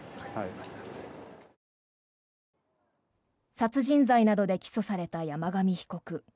殺人罪などで起訴された山上被告。